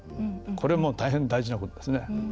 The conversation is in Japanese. これ、もう大変大事なことですね。